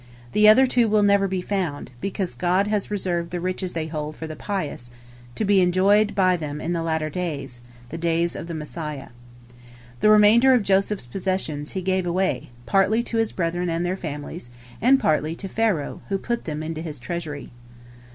The other two will never be found, because God has reserved the riches they hold for the pious, to be enjoyed by them in the latter days, the days of the Messiah. The remainder of Joseph's possessions he gave away, partly to his brethren and their families, and partly to Pharaoh, who put them into his treasury.